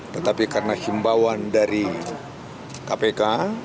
tetapi karena himbauan dari kpk